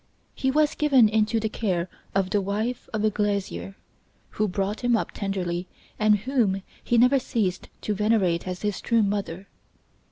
He was given into the care of the wife of a glazier, who brought him up tenderly and whom he never ceased to venerate as his true mother.